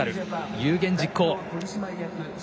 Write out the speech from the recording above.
有言実行。